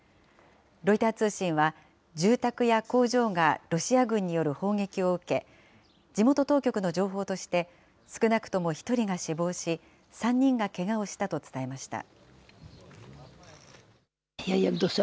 ロイター通信は住宅や工場がロシア軍による砲撃を受け、地元当局の情報として、少なくとも１人が死亡し、３人がけがをしたと伝えました。